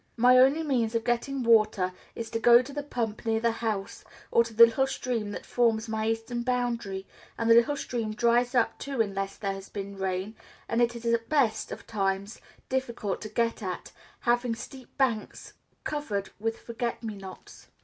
My only means of getting water is to go to the pump near the house, or to the little stream that forms my eastern boundary, and the little stream dries up too unless there has been rain, and is at the best of times difficult to get at, having steep banks covered with forget me nots.